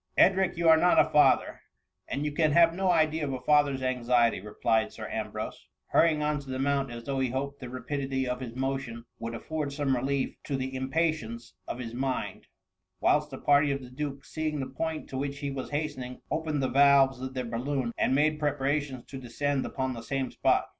^ "Edric, you are not a father, and you can have no idea of a father's anxiety,^' replied Sir Ambrose, hurrying on to the mount, as though he hoped the rapidity of his motion would af ford some relief to the impatience of his mind ; whilst the party of the duke, seeing the point to which he was hastening, opened the valves of their balloon, and made preparations to de scend upon the same spot.